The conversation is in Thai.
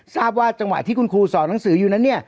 ทราบว่าจังหวะที่คุณครูสอนหนังสืออยู่นั้น